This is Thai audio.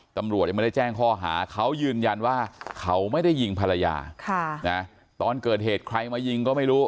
ตำรวจยังไม่ได้แจ้งข้อหาเขายืนยันว่าเขาไม่ได้ยิงภรรยาตอนเกิดเหตุใครมายิงก็ไม่รู้